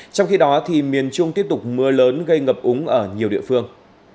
trong khi đó miền trung tiếp tục mưa lớn gây ngập úng ở nhiều địa phương